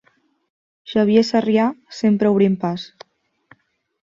Xavier Sarrià, sempre Obrint Pas.